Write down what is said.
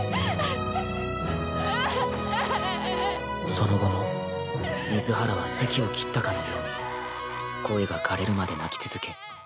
その後も水原は堰を切ったかのように声がかれるまで泣き続け